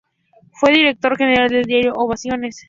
Fue director general del diario "Ovaciones".